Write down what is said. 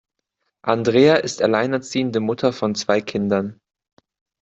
Andrea ist alleinerziehende Mutter von zwei Kindern.